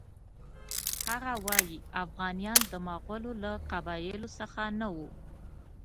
هغه وایي اوغانیان د مغولو له قبایلو څخه نه وو.